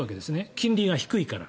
金利が低いから。